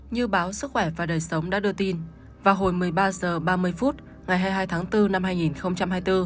như báo sức khỏe và đời sống đã đưa tin vào hồi một mươi ba h ba mươi phút ngày hai mươi hai tháng bốn năm hai nghìn hai mươi bốn